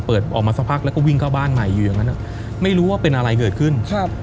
ออกมาสักพักแล้วก็วิ่งเข้าบ้านใหม่อยู่อย่างนั้นไม่รู้ว่าเป็นอะไรเกิดขึ้นครับ